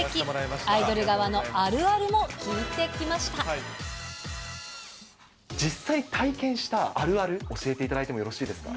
アイドル側のあるあるも聞いてき実際体験したあるある、教えていただいてもよろしいですか。